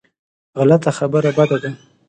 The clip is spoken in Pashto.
غلط خبره بده ده.